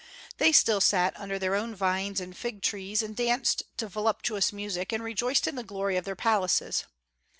They still sat under their own vines and fig trees, and danced to voluptuous music, and rejoiced in the glory of their palaces.